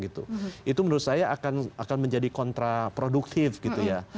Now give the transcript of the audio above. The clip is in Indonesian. itu menurut saya akan menjadi kontraproduktif gitu ya